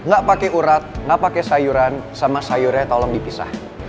gak pake urat gak pake sayuran sama sayurnya tolong dipisah